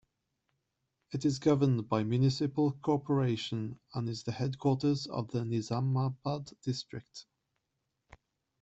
It is governed by municipal corporation and is the headquarters of the Nizamabad district.